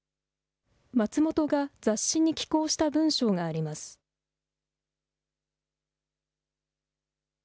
松本が雑誌に寄稿した文章があります。